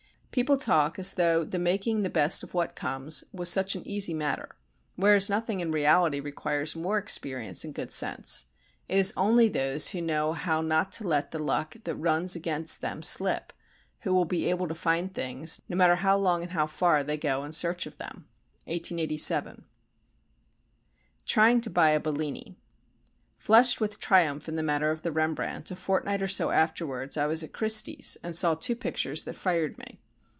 People talk as though the making the best of what comes was such an easy matter, whereas nothing in reality requires more experience and good sense. It is only those who know how not to let the luck that runs against them slip, who will be able to find things, no matter how long and how far they go in search of them. [1887.] Trying to Buy a Bellini Flushed with triumph in the matter of Rembrandt, a fortnight or so afterwards I was at Christie's and saw two pictures that fired me.